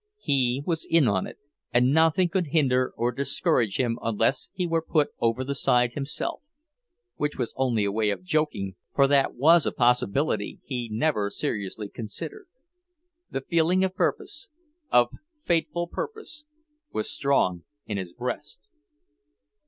He was in on it, and nothing could hinder or discourage him unless he were put over the side himself which was only a way of joking, for that was a possibility he never seriously considered. The feeling of purpose, of fateful purpose, was strong in his breast.